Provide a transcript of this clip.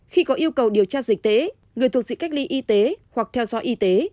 khi có yêu cầu điều tra dịch tễ người thuộc diện cách ly y tế hoặc theo dõi y tế